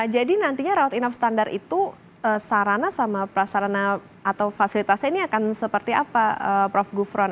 jadi nantinya raut enough standar itu sarana sama prasarana atau fasilitasi ini akan seperti apa prof gufron